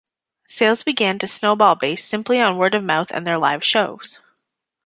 Sales began to snowball based simply on word of mouth and their live shows.